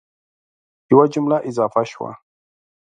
یوه جمله اضافه شوه